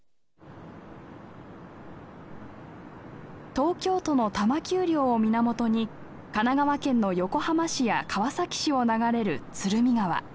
東京都の多摩丘陵を源に神奈川県の横浜市や川崎市を流れる鶴見川。